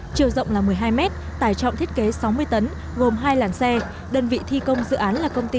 chiều rộng là một mươi hai mét tải trọng thiết kế sáu mươi tấn gồm hai làn xe đơn vị thi công dự án là công ty